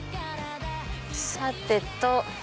さてと。